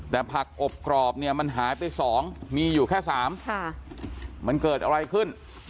แต่ผักอบกรอบเนี่ยมันหายไป๒มีอยู่แค่๓มันเกิดอะไรขึ้น